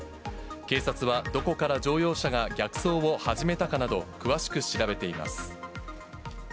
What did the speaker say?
警察は、どこから乗用車が逆走を始めたかなど、詳しく調べています。